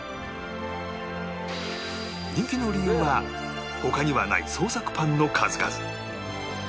人気の理由は他にはない創作パンの数々